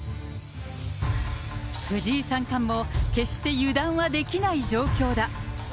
藤井三冠も、決して油断はできない状況だ。